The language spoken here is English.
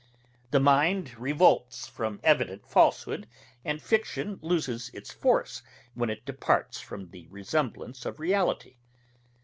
The mind revolts from evident falsehood, and fiction loses its force when it departs from the resemblance of reality.